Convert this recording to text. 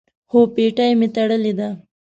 هو، پټۍ می تړلې ده